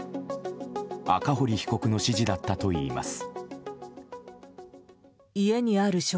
赤堀被告の指示だったといいます。